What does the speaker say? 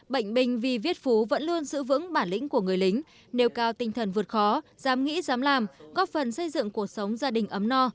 bệnh binh vì viết phú vẫn luôn giữ vững bản lĩnh của người lính nêu cao tinh thần vượt khó dám nghĩ dám làm góp phần xây dựng cuộc sống gia đình ấm no